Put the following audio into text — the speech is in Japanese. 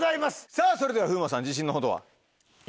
さぁそれでは風磨さん自信のほどは？